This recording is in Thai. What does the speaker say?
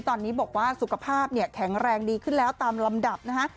ตอนนี้บอกว่าสุขภาพเนี่ยแข็งแรงดีขึ้นแล้วตามลำดับนะฮะ